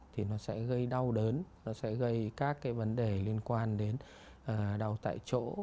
thì nó sẽ gây đau đớn nó sẽ gây các cái vấn đề liên quan đến đau tại chỗ